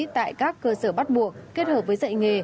tại các cơ sở bắt buộc kết hợp với dạy nghề